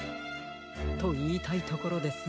といいたいところですが。